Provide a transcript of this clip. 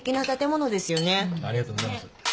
ありがとうございます。